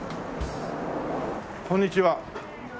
こんにちは。